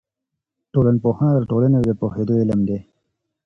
ټولنپوهنه د ټولني د پوهېدو علم دی.